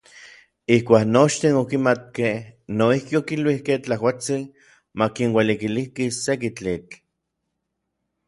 Ijkuak nochtin okimatkej, noijki okiluikej Tlakuatsin makinualikiliki seki tlitl.